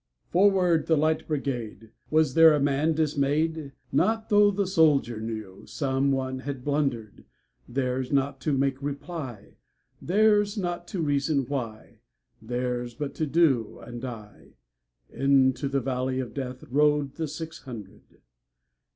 "Forward, the Light Brigade!"Was there a man dismay'd? Not tho' the soldier knewSome one had blunder'd:Theirs not to make reply, Theirs not to reason why, Theirs but to do and die:Into the valley of DeathRode the six hundred.